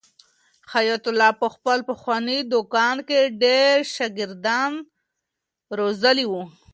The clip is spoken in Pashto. حیات الله په خپل پخواني دوکان کې ډېر شاګردان روزلي وو.